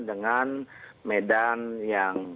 dengan medan yang